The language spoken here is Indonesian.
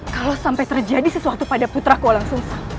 kalau sampai terjadi sesuatu pada putraku langsung sah